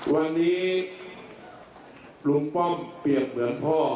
วันนี้ลุงป้อมเปรียบเหมือนพ่อ